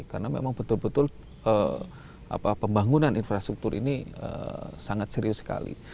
karena memang betul betul pembangunan infrastruktur ini sangat serius sekali